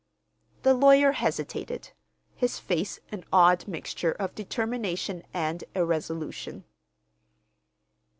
The lawyer hesitated, his face an odd mixture of determination and irresolution.